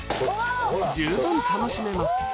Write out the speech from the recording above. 十分楽しめます